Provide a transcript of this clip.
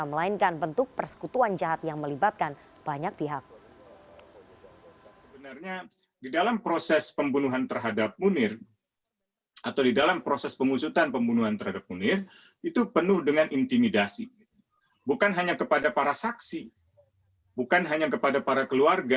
melainkan bentuk persekutuan jahat yang melibatkan banyak pihak